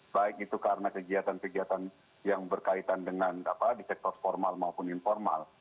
baik itu karena kegiatan kegiatan yang berkaitan dengan di sektor formal maupun informal